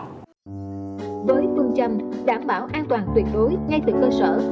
với phương châm đảm bảo an toàn tuyệt đối ngay từ cơ sở